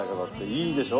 いいでしょ？